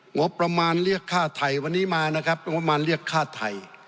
งบประมาณเรียกค่าไทยวันนี้มานะครับงบประมาณเรียกค่าไทย